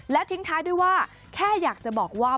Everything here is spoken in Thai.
และทิ้งท้ายด้วยว่าแค่อยากจะบอกว่า